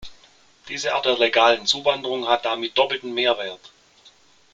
Diese Art der legalen Zuwanderung hat damit doppelten Mehrwert.